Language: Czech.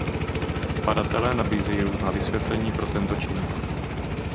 Badatelé nabízejí různá vysvětlení pro tento čin.